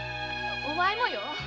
お前もよ。